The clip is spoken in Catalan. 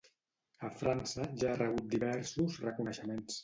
A França ja ha rebut diversos reconeixements.